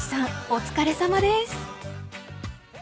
お疲れさまです］